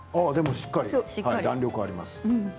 しっかり弾力があります。